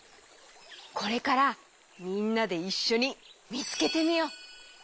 これからみんなでいっしょにみつけてみよう！